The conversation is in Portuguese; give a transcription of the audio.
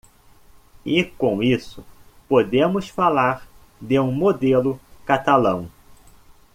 E com isso, podemos falar de um modelo catalão?